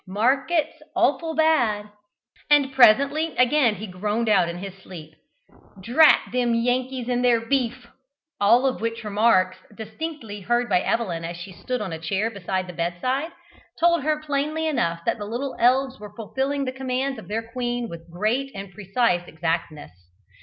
Markets awful bad;" and presently again he groaned out in his sleep, "Drat them Yankees and their beef!" all of which remarks, distinctly heard by Evelyn as she stood on a chair by the bedside, told her plainly enough that the little elves were fulfilling the commands of their queen with great and precise exactness.